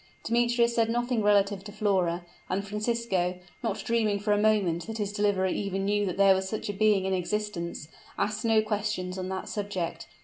Demetrius said nothing relative to Flora; and Francisco, not dreaming for a moment that his deliverer even knew there was such a being in existence, asked no questions on that subject.